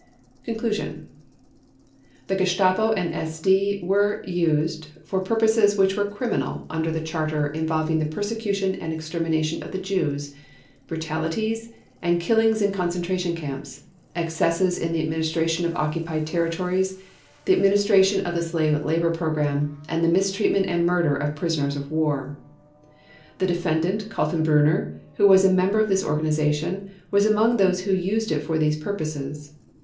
Conclusion The Gestapo and SD were used for purposes which were criminal under the Charter involving the persecution and extermination of the Jews, brutalities, and killings in concentration camps, excesses in the administration of occupied territories, the administration of the slave labor program, and the mistreatment and murder of prisoners of war. The Defendant Kaltenbrunner, who was a member of this organization, was among those who used it for these purposes.